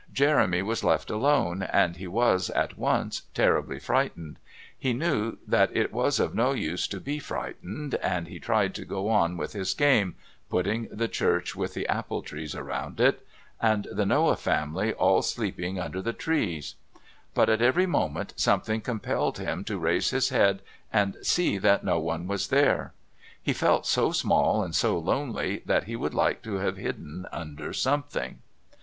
Jeremy was left alone, and he was, at once, terribly frightened. He knew that it was of no use to be frightened, and he tried to go on with his game, putting the church with the apple trees around it and the Noah family all sleeping under the trees, but at every moment something compelled him to raise his head and see that no one was there, and he felt so small and so lonely that he would like to have hidden under something.